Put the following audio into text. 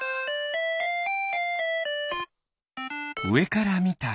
うえからみたこれ。